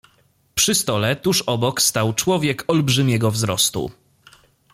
"Przy stole, tuż obok, stał człowiek olbrzymiego wzrostu."